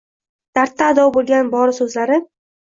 Dardda ado bo‘lgan bori so‘zlari